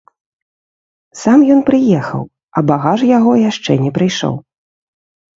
Сам ён прыехаў, а багаж яго яшчэ не прыйшоў.